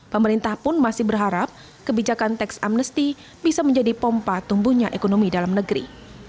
pemerintah pun masih berharap kebijakan teks amnesty bisa menjadi pompa tumbuhnya ekonomi dalam negeri